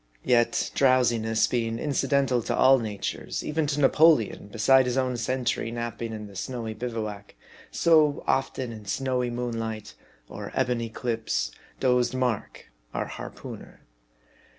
Yet drowsiness being incidental to all natures, even to Na poleon, beside his own sentry napping in the snowy bivouac ; so, often, in snowy moonlight, or ebon eclipse, dozed Mark, our harpooneer.